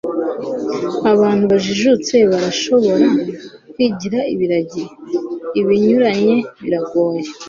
abantu bajijutse barashobora kwigira ibiragi. ibinyuranye biragoye